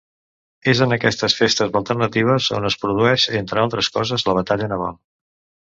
És en aquestes festes alternatives on es produeix -entre altres coses- la batalla naval.